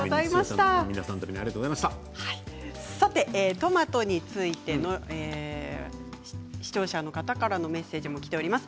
トマトについての視聴者の方からのメッセージがきています。